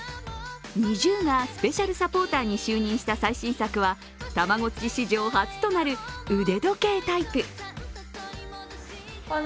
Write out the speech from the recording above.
ＮｉｚｉＵがスペシャルサポーターに就任した最新作はたまごっち史上初となる腕時計タイプ。